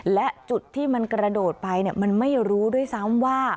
และจุดที่มันกระโดดไปมันไม่รู้ด้วยซ้ำว่า